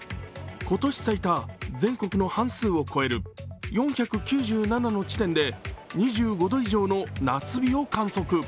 今年最多、全国の半数を超える４９７の地点で２５度以上の夏日を観測